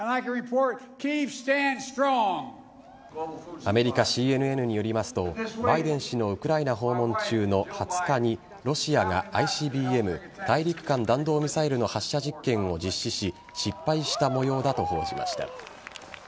アメリカＣＮＮによりますとバイデン氏のウクライナ訪問中の２０日にロシアがＩＣＢＭ＝大陸間弾道ミサイルの発射実験を実施し、失敗したもようだと報じました。